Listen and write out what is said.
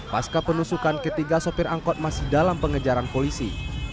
pasca penusukan ketiga sopir angkot masih dalam pengejaran polisi